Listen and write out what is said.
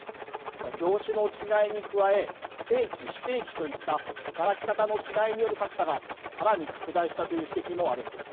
業種の違いに加え、正規・非正規といった働き方の違いによる格差が、さらに拡大したという指摘もあるんです。